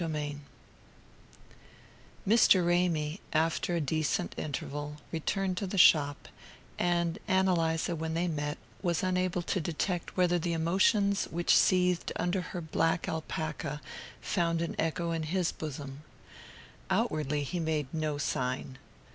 PART II VIII Mr. Ramy, after a decent interval, returned to the shop; and Ann Eliza, when they met, was unable to detect whether the emotions which seethed under her black alpaca found an echo in his bosom. Outwardly he made no sign.